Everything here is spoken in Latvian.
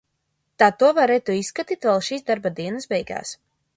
Tad to varētu izskatīt vēl šīs darba dienas beigās.